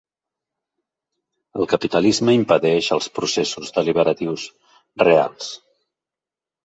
El capitalisme impedeix els processos deliberatius reals.